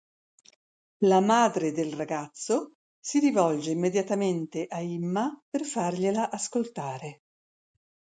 La madre del ragazzo si rivolge immediatamente a Imma per fargliela ascoltare.